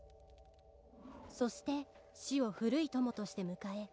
「そして死を古い友として迎え」